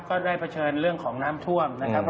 ก็ได้เผชิญเรื่องของน้ำท่วมนะครับ